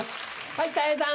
はいたい平さん。